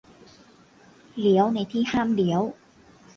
- เลี้ยวในที่ห้ามเลี้ยว